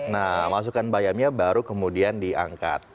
nah masukkan bayamnya baru kemudian diangkat